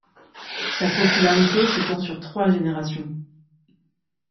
Sa popularité s’étend sur trois générations.